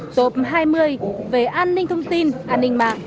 top hai mươi về an ninh thông tin an ninh mạng